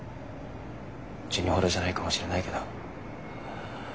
ジュニほどじゃないかもしれないけど。